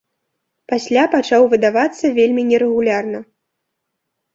Пасля пачаў выдавацца вельмі нерэгулярна.